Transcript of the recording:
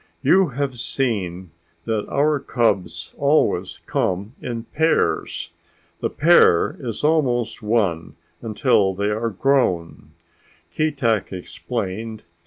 "You have seen that our cubs always come in pairs. The pair is almost one until they are grown," Keetack explained.